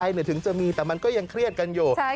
ใครเหนือถึงจะมีแต่มันก็ยังเครียดกันอยู่